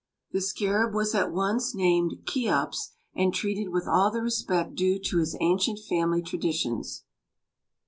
The scarab was at once named "Cheops," and treated with all the respect due to his ancient family traditions.